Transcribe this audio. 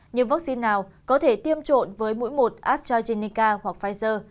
nhưng vaccine nào có thể tiêm trộn với mũi một astrazeneca hoặc pfizer